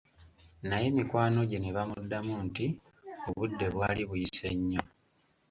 Naye mikwano gye ne bamuddamu nti obudde bwali buyise nnyo.